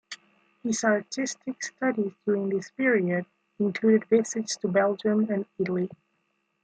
His artistic studies during this period included visits to Belgium and Italy.